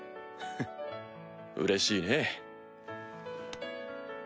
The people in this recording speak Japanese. フッうれしいね。